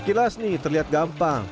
sekilas nih terlihat gampang